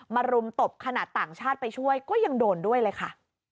รุมตบขนาดต่างชาติไปช่วยก็ยังโดนด้วยเลยค่ะ